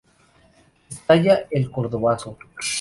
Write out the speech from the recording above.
Estalla el Cordobazo.